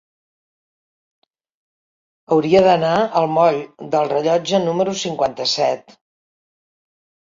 Hauria d'anar al moll del Rellotge número cinquanta-set.